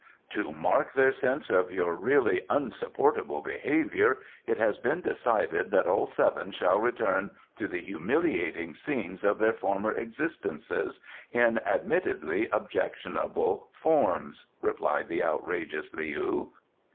"To mark their sense of your really unsupportable behaviour it has been decided that all seven shall return to the humiliating scenes of their former existences in admittedly objectionable forms," replied the outrageous Leou.